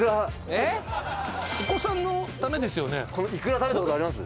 お子さんのためですよね。